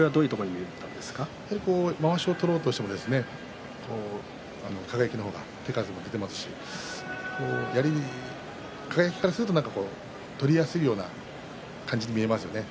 やはりまわしを取ろうとしても輝の方が手数が出ていますし輝からすると取りやすい感じに見えますね。